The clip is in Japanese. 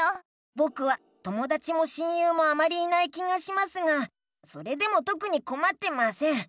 ぼくはともだちも親友もあまりいない気がしますがそれでもとくにこまってません。